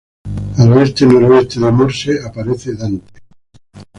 Al oeste-noroeste de Morse aparece Dante.